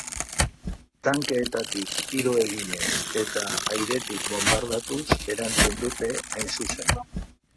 Tankeetatik tiro eginez eta airetik bondardatuz erantzun dute, hain zuzen.